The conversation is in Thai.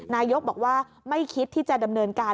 นายกบอกว่าไม่คิดที่จะดำเนินการ